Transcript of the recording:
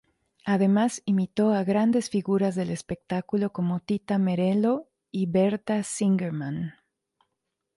Además imitó a grandes figuras del espectáculo como Tita Merello y Berta Singerman.